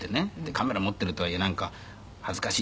カメラ持ってるとはいえなんか恥ずかしいんじゃあっ！」